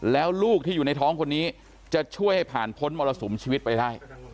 แล้วลูกที่อยู่ในท้องคนนี้จะช่วยให้ผ่านพ้นมรสุมชีวิตไปได้